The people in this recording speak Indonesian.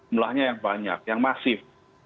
jumlahnya yang banyak yang masif